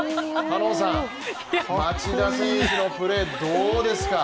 狩野さん、町田選手のプレーどうですか。